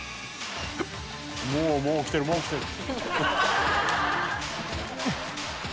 「もうもう来てるもう来てる」